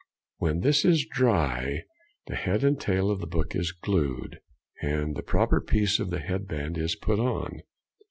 When this is dry, the head and tail of the book is glued and the proper piece of the head band is put on.